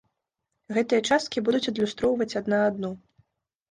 Гэтыя часткі будуць адлюстроўваць адна адну.